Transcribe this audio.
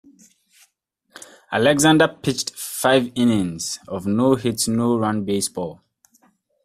Alexander pitched five-innings of no-hit no-run baseball.